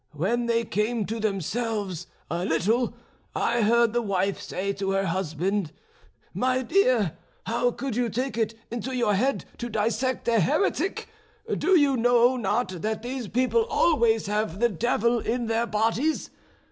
When they came to themselves a little, I heard the wife say to her husband: 'My dear, how could you take it into your head to dissect a heretic? Do you not know that these people always have the devil in their bodies?